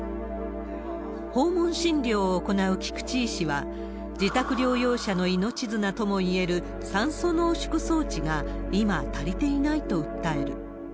訪問診療を行う菊池医師は、自宅療養者の命綱ともいえる酸素濃縮装置が今、足りていないと訴える。